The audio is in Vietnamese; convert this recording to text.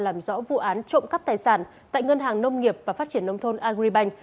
làm rõ vụ án trộm cắp tài sản tại ngân hàng nông nghiệp và phát triển nông thôn agribank